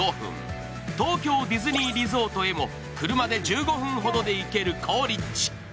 東京ディズニーリゾートへも車で１５分ほどで行ける好立地。